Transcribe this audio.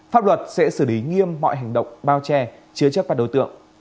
pháp luật sẽ xử lý nghiêm mọi hành động bao che chứa chấp các đối tượng